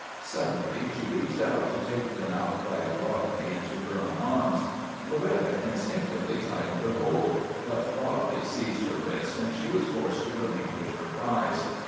Suddenly she reached out to take the now quiet Rodney into her own arms. Loretta instinctively tightened her hold, but Bodley seized her wrist and she was forced to relinquish her prize.